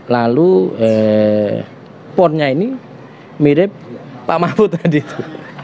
lalu ponnya ini mirip pak mahfud tadi itu